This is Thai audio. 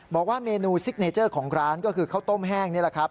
บอกว่าเมนูซิกเนเจอร์ของร้านก็คือข้าวต้มแห้งนี่แหละครับ